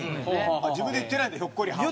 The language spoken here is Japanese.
自分で言ってないんだ「ひょっこりはん」は。